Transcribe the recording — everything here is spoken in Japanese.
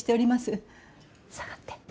下がって。